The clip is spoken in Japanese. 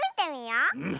うん。